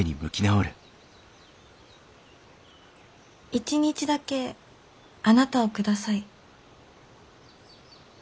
１日だけあなたをください。